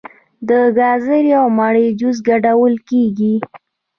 د ګازرې او مڼې جوس ګډول کیږي.